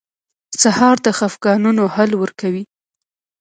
سهار د خفګانونو حل ورکوي.